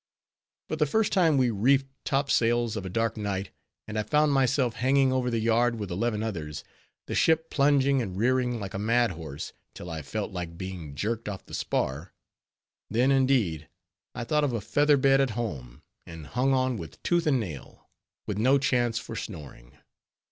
But the first time we reefed top sails of a dark night, and I found myself hanging over the yard with eleven others, the ship plunging and rearing like a mad horse, till I felt like being jerked off the spar; then, indeed, I thought of a feather bed at home, and hung on with tooth and nail; with no chance for snoring.